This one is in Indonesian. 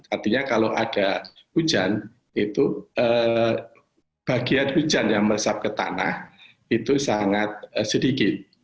artinya kalau ada hujan itu bagian hujan yang meresap ke tanah itu sangat sedikit